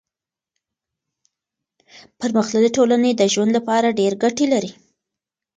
پرمختللي ټولنې د ژوند لپاره ډېر ګټې لري.